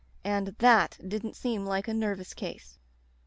And that didn't seem like a 'nervous case.'